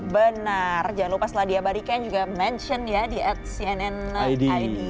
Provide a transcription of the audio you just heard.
benar jangan lupa setelah diabadikan juga mention ya di at cnn id